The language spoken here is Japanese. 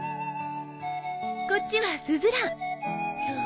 こっちはスズラン。